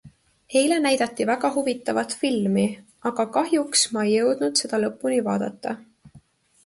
Eile näidati väga huvitavat filmi, aga kahjuks ma ei jõudnud seda lõpuni vaadata.